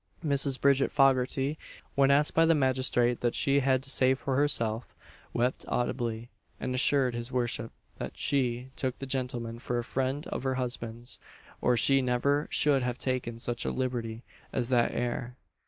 Mrs. Bridget Foggarty, when asked by the magistrate what she had to say for herself, wept audibly, and assured his worship that she took the gentleman for a friend of her husband's, or she never should have taken such a liberty as that 'ere.